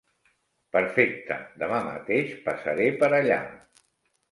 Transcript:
Perfecte, demà mateix passaré per allà.